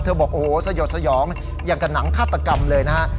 บอกโอ้โหสยดสยองอย่างกับหนังฆาตกรรมเลยนะฮะ